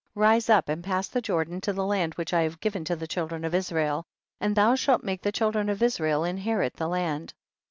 Rise up and pass the Jordan to the land which I have given to the children of Israel, and thou shalt make the children of Israel inherit the land.